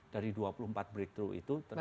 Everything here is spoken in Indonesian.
dari dua puluh empat breakthrough itu